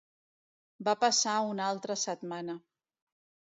Va passar una altra setmana.